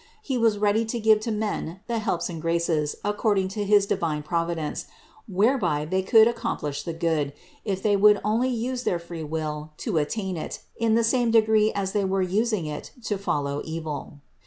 He was ready to give to men the helps and graces according to his divine Providence, whereby they could accomplish the good, if they would only use their free will to attain it in the same degree as they were using it to follow evil.